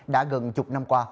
đã gần chục năm qua